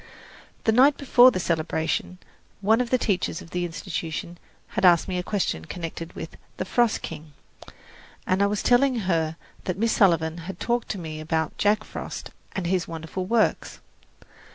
The night before the celebration, one of the teachers of the Institution had asked me a question connected with "The Frost King," and I was telling her that Miss Sullivan had talked to me about Jack Frost and his wonderful works.